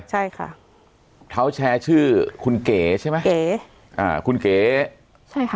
ใช่ค่ะเขาแชร์ชื่อคุณเก๋ใช่ไหมเก๋อ่าคุณเก๋ใช่ค่ะ